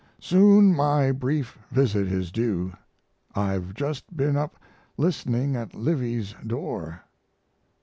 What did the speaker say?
Soon my brief visit is due. I've just been up listening at Livy's door.